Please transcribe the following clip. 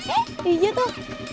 eh hijau tuh